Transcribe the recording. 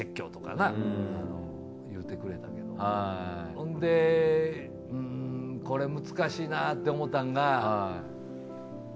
ほんでこれ難しいなって思ったんが。